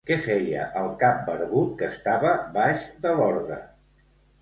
Què feia el cap barbut que estava baix de l'orgue?